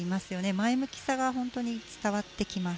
前向きさが伝わってきます。